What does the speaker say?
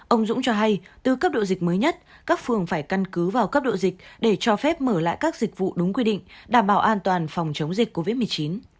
ông dũng cho hay từ cấp độ dịch mới nhất các phường phải căn cứ vào cấp độ dịch để cho phép mở lại các dịch vụ đúng quy định đảm bảo an toàn phòng chống dịch covid một mươi chín